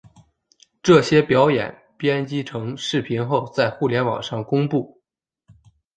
这些表演编辑成视频后在互联网上公布。